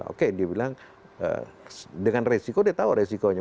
oke dia bilang dengan resiko dia tahu resikonya